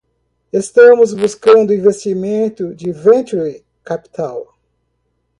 Estamos buscando investimento de venture capital.